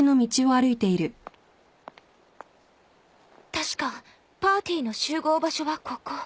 確かパーティーの集合場所はここ。